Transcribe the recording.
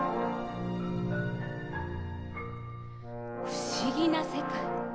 不思議な世界。